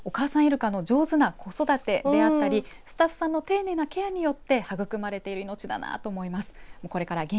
お母さんいるかの上手な子育てであったりスタッフさんの丁寧なケアによって育まれている命なのだと思います。